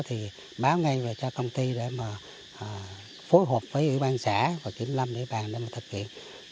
thì báo ngay cho công ty để phối hợp với ủy ban xã và kiểm lâm để bàn để thực hiện